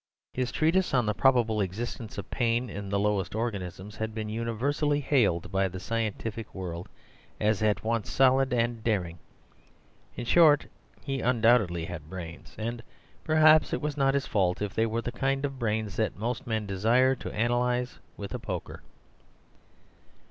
His treatise on "The Probable Existence of Pain in the Lowest Organisms" had been universally hailed by the scientific world as at once solid and daring. In short, he undoubtedly had brains; and perhaps it was not his fault if they were the kind of brains that most men desire to analyze with a poker.